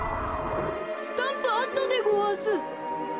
スタンプあったでごわす。